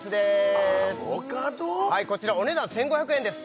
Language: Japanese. こちらお値段１５００円です